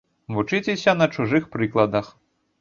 Вучыцеся на чужых прыкладах.